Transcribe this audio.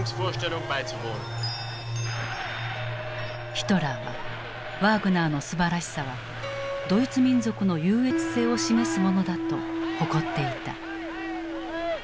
ヒトラーはワーグナーのすばらしさはドイツ民族の優越性を示すものだと誇っていた。